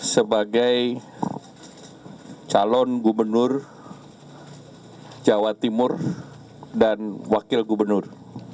sebagai calon gubernur jawa timur dan wakil gubernur